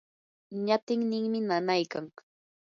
ñatinninmi nanaykan.